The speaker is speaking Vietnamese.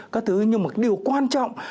các thứ nhưng mà điều quan trọng